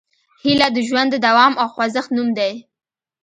هیله د ژوند د دوام او خوځښت نوم دی.